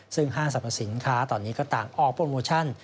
ซึ่งห้างสรรพสินค้าตอนนี้ก็ต่างออกโปรโมชั่น